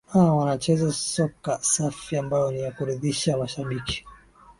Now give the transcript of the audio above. aa wanacheza soka safi ambayo ni ya kuridhisha mashabiki